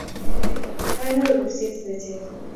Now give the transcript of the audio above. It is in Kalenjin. kanyoru kurset ne ter